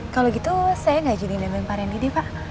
kalo gitu saya gak janjian sama pak rendy deh pa